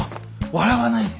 笑わないで。